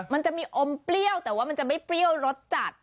มันจะมีอมเปรี้ยวแต่ว่ามันจะไม่เปรี้ยวรสจัด